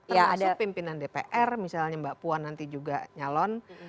termasuk pimpinan dpr misalnya mbak puan nanti juga nyalon